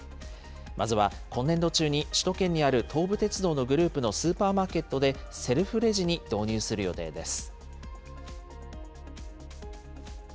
まずは今年度中に首都圏にある東武鉄道のグループのスーパーマーケットで、セルフレジに導入する予定です。